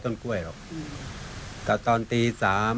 หกโสโนะแค่ถึงถ้อง้า